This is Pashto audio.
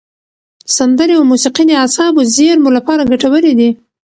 سندرې او موسیقي د اعصابو زېرمو لپاره ګټورې دي.